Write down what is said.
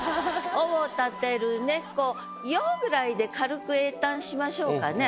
「尾を立てる猫よ」ぐらいで軽く詠嘆しましょうかね。